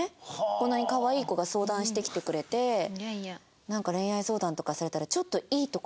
こんなにかわいい子が相談してきてくれてなんか恋愛相談とかされたら。